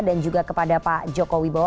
dan juga kepada pak joko wibowo